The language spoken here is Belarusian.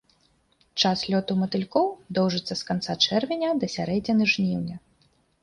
Час лёту матылькоў доўжыцца з канца чэрвеня да сярэдзіны жніўня.